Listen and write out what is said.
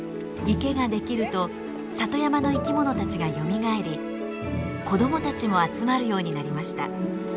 池ができると里山の生き物たちがよみがえり子どもたちも集まるようになりました。